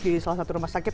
di salah satu rumah sakit